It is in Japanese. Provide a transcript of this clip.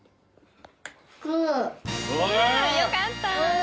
よかった！